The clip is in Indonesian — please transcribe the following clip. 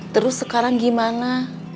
terus sekarang gimana